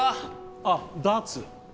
あダーツ？